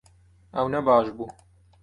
Ew ne baş bû